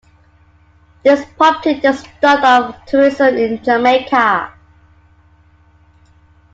This prompted the start of tourism in Jamaica.